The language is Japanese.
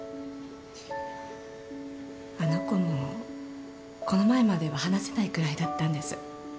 あの子もこの前までは話せないぐらいだったんです。